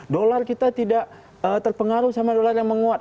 dolar kita tidak terpengaruh sama dolar yang menguat